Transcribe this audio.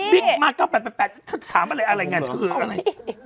บิ๊กมา๙๘๘๘ฉันถามอะไรอะไรไง